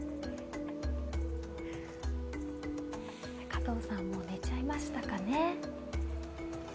加藤さん、もう寝ちゃいましたかね。